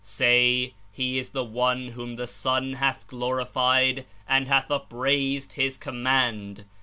Say: He is the one whom the Son hath glorified and hath upraised His Command